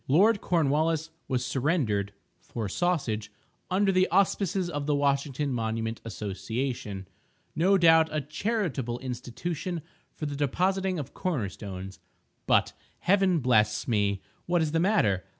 Lord Cornwallis was surrendered (for sausage) "under the auspices of the Washington Monument Association"—no doubt a charitable institution for the depositing of corner stones.—But, Heaven bless me! what is the matter?